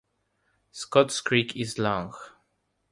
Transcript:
Scotts Creek is long.